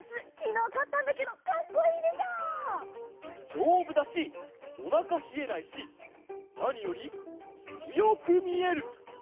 じょうぶだしおなかひえないしなによりつよくみえる！